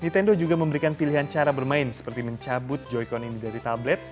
nintendo juga memberikan pilihan cara bermain seperti mencabut joycon ini dari tablet